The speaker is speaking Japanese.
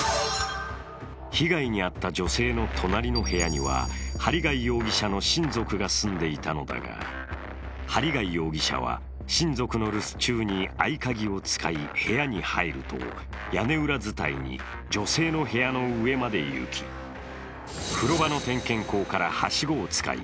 被害に遭った女性の隣の部屋には針谷容疑者の親族が住んでいたのだが針谷容疑者は親族の留守中に合鍵を使い部屋に入ると、屋根裏伝いに女性の部屋の上まで行き風呂場の点検口からはしごを使い